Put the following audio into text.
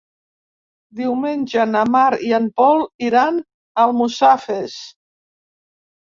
Diumenge na Mar i en Pol iran a Almussafes.